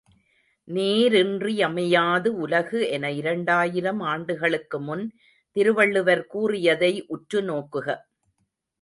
நீரின்றமையாது உலகு என இரண்டாயிரம் ஆண்டுகளுக்கு முன் திருவள்ளுவர் கூறியதை உற்று நோக்குக.